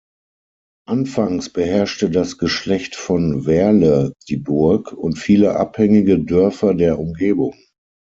Anfangs beherrschte das Geschlecht von Werle die Burg und viele abhängige Dörfer der Umgebung.